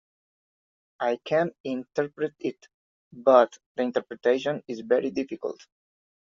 I can interpret it, but the interpretation is very difficult.